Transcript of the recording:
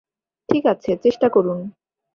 ঠিক আছে, চেষ্টা করুন।